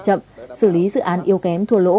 chậm xử lý dự án yêu kém thua lỗ